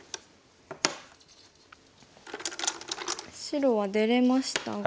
白は出れましたが。